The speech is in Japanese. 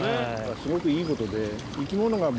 すごくいいことで。